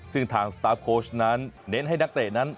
ซึ่งทางสตาร์ฟโค้ชนั้นเน้นให้นักเตะนั้น